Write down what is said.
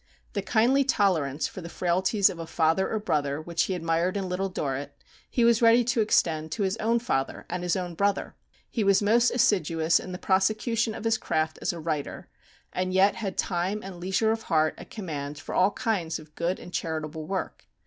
The kindly tolerance for the frailties of a father or brother which he admired in Little Dorrit, he was ready to extend to his own father and his own brother. He was most assiduous in the prosecution of his craft as a writer, and yet had time and leisure of heart at command for all kinds of good and charitable work.